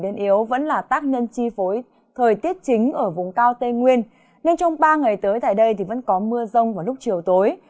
biến yếu vẫn là tác nhân chi phối thời tiết chính ở vùng cao tây nguyên nên trong ba ngày tới tại đây thì vẫn có mưa rông vào lúc chiều tối